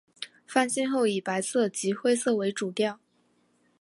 翻新后以白色及灰色为主调。